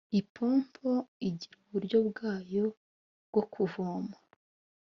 ipompo igira uburyo bwayo bwo kuvoma